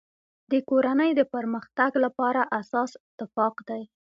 د کورنی د پرمختګ لپاره اساس اتفاق دی.